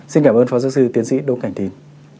xin cảm ơn phó giáo sư tiến sĩ đỗ cảnh thìn